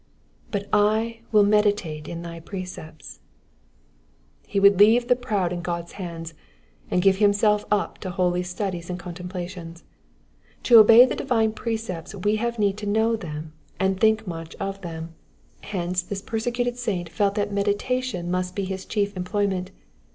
'^But I mil meditate in thy precepts,'''* He would leave the ^roud in God's hands, and give himself up to holy studies and contemplations. To obey the divine precepts we have need to know them, and think much of them, hence this persecuted saint felt that meditation must be his chief employ ment.